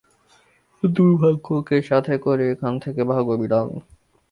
দুর্ভাগ্যকে সাথে করে এখান থেকে ভাগ, বিড়াল!